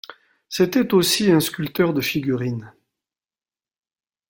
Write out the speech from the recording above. C'était aussi un sculpteur de figurines.